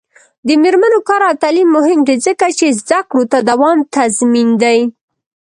د میرمنو کار او تعلیم مهم دی ځکه چې زدکړو دوام تضمین دی.